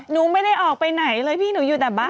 หนูไม่ได้ออกไปไหนเลยพี่หนูอยู่แต่บ้าน